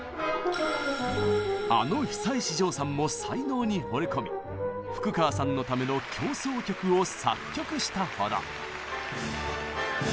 あの久石譲さんも才能にほれ込み福川さんのための協奏曲を作曲したほど。